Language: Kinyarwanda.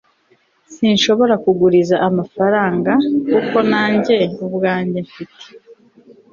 sinshobora kuguriza amafaranga, kuko nta njye ubwanjye mfite